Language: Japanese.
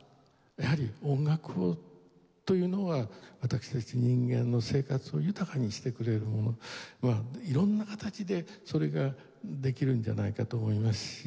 やはり音楽というのは私たち人間の生活を豊かにしてくれるもの色んな形でそれができるんじゃないかと思いますし。